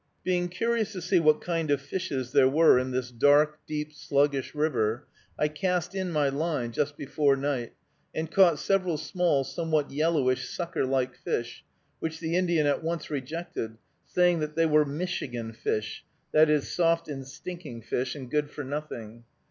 Being curious to see what kind of fishes there were in this dark, deep, sluggish river, I cast in my line just before night, and caught several small somewhat yellowish sucker like fishes, which the Indian at once rejected, saying that they were michigan fish (i. e., soft and stinking fish) and good for nothing.